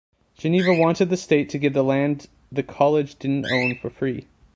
Geneva wanted the state to give the land the college didn't own for free.